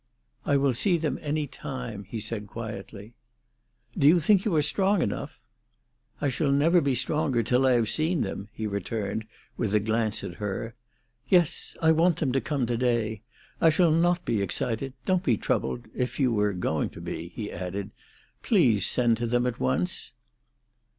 "I will see them any time," he said quietly. "Do you think you are strong enough?" "I shall never be stronger till I have seen them," he returned, with a glance at her. "Yes; I want them to come to day. I shall not be excited; don't be troubled—if you were going to be," he added. "Please send to them at once."